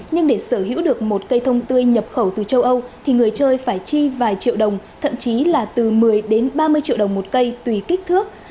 nhưng để sở hữu được một cây thông tươi nhập khẩu từ châu âu thì người chơi phải chi vài triệu đồng thậm chí là từ một mươi đến ba mươi triệu đồng một cây tùy kích thước